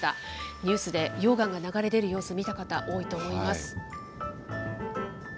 ニュースで溶岩が流れ出る様子、見た方、多いと思います。